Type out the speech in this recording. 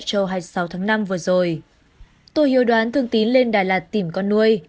tô hiếu đoán thương tín lên đà lạt tìm con nuôi